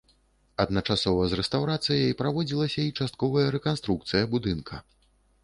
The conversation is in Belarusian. Адначасова з рэстаўрацыяй праводзілася і частковая рэканструкцыя будынка.